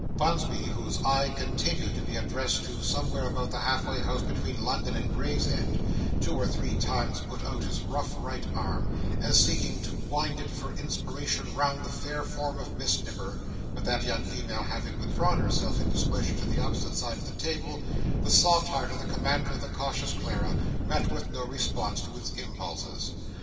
Bunsby, whose eye continued to be addressed to somewhere about the half way house between London and Gravesend, two or three times put out his rough right arm, as seeking to wind it for inspiration round the fair form of Miss Nipper; but that young female having withdrawn herself, in displeasure, to the opposite side of the table, the soft heart of the Commander of the Cautious Clara met with no response to its impulses.